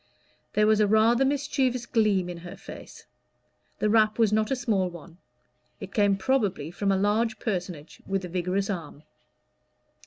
There was rather a mischievous gleam in her face: the rap was not a small one; it came probably from a large personage with a vigorous arm.